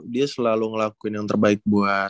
dia selalu ngelakuin yang terbaik buat